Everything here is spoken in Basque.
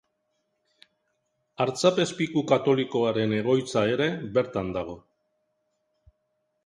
Artzapezpiku katolikoaren egoitza ere bertan dago.